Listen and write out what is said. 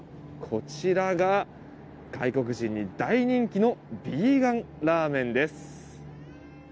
こちらが外国人に大人気のビーガンラーメンです。